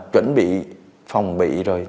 chuẩn bị phòng bị